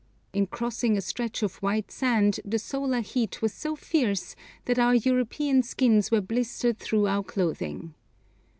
In crossing a stretch of white sand the solar heat was so fierce that our European skins were blistered through our clothing.